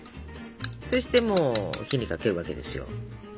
そしてもう火にかけるわけですよ。